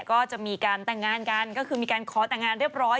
ก็จะมีการแต่งงานกันก็คือมีการขอแต่งงานเรียบร้อย